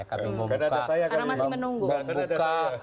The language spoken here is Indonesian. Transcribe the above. karena masih menunggu